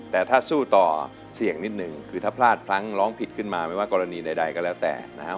แต่ถ้าสู้ต่อเสี่ยงนิดนึงคือถ้าพลาดพลั้งร้องผิดขึ้นมาไม่ว่ากรณีใดก็แล้วแต่นะครับ